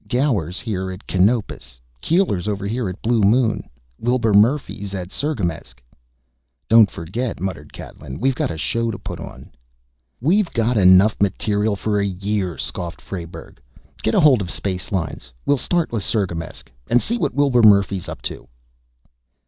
"Gower's here at Canopus, Keeler's over here at Blue Moon, Wilbur Murphy's at Sirgamesk ..." "Don't forget," muttered Catlin, "we got a show to put on." "We've got material for a year," scoffed Frayberg. "Get hold of Space Lines. We'll start with Sirgamesk, and see what Wilbur Murphy's up to."